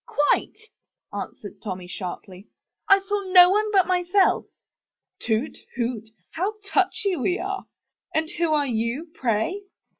"Quite," answered Tommy sharply, "I saw no one but myself. "Hoot! toot! How touchy we are! And who are you, pray?